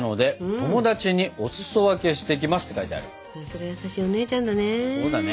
さすが優しいお姉ちゃんだね。